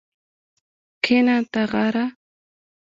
کښېنه تاغاره